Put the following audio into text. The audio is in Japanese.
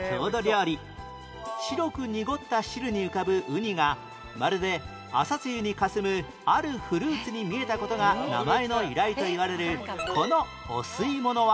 白く濁った汁に浮かぶウニがまるで朝露にかすむあるフルーツに見えた事が名前の由来といわれるこのお吸い物は？